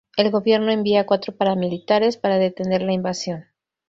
El gobierno envía a cuatro paramilitares para detener la invasión.